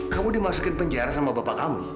kamu dimasukin penjara sama bapak kamu